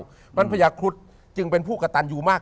เพราะฉะนั้นพญาครุฑจึงเป็นผู้กระตันอยู่มาก